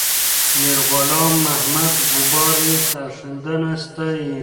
میرغلام محمد غبار یې سرښندنه ستایي.